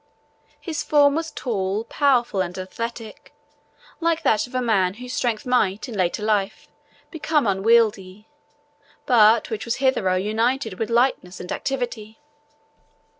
His form was tall, powerful, and athletic, like that of a man whose strength might, in later life, become unwieldy, but which was hitherto united with lightness and activity.